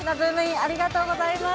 ありがとうございます。